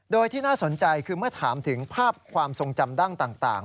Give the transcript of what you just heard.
โดยที่น่าสนใจคือเมื่อถามถึงภาพความทรงจำดั้งต่าง